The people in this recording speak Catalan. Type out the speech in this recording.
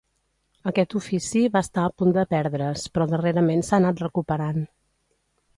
Aquest ofici va estar a punt de perdre's, però darrerament s'ha anat recuperant.